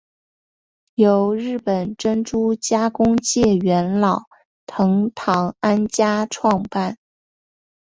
由日本珍珠加工界元老藤堂安家创办。